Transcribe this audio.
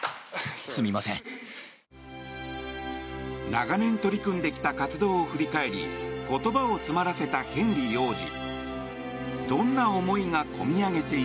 長年、取り組んできた活動を振り返り言葉を詰まらせたヘンリー王子。